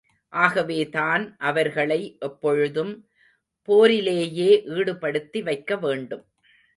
ஆகவேதான் அவர்களை எப்பொழுதும் போரிலேயே ஈடுபடுத்தி வைக்க வேண்டும்.